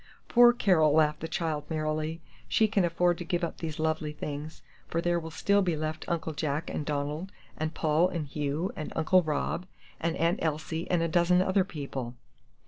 "Poor Carol," laughed the child, merrily, "she can afford to give up these lovely things, for there will still be left Uncle Jack, and Donald, and Paul, and Hugh, and Uncle Rob, and Aunt Elsie, and a dozen other people."